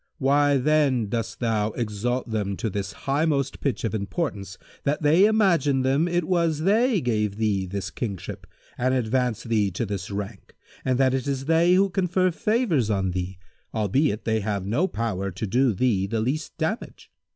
Why then dost thou exalt them to this highmost pitch of importance that they imagine them it was they gave thee this kingship and advanced thee to this rank and that it is they who confer favours on thee, albeit they have no power to do thee the least damage?